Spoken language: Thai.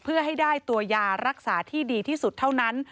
เพื่อให้ได้ตัวยารักษาที่ดีที่สุดเท่านั้น